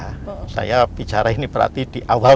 kita harus berpikir bahwa petika ingin chick